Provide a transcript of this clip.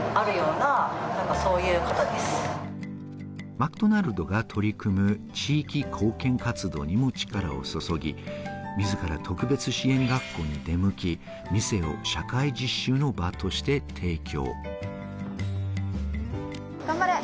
マクドナルドが取り組む地域貢献活動にも力を注ぎ、自ら特別支援学校に出向き、店を社会実習の場として提供。